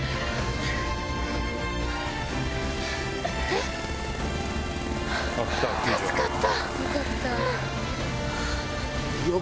えっ！